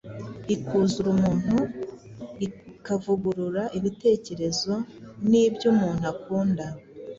ikuzura umuntu ikavugurura ibitekerezo n’ibyo umuntu akunda